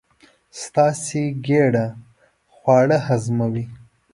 ستاسې ګېډه خواړه هضموي.